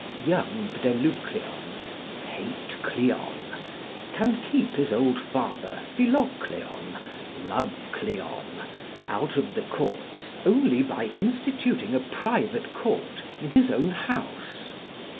Young Bdelucleon (hate Cleon) can keep his old father Philocleon (love Cleon) out of the courts only by instituting a private court in his own house.